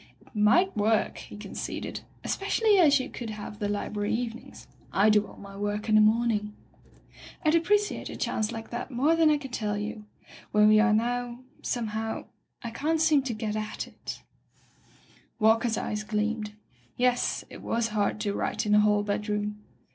"It might work," he conceded, "espe cially as you could have the library evenings. I do all my work in the morning." "Fd appreciate a chance like that more than I can tell you. Where we are now, some how — I can't seem to get at it " Walker's eyes gleamed. Yes, it was hard to write in a hall bedroom.